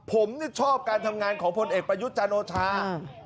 ผมชอบการทำงานของพลเอกประยุทธ์จันโอชา